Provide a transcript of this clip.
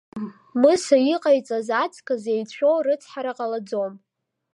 Мыса иҟаиҵаз аҵкыс еицәоу рыцҳара ҟалаӡом.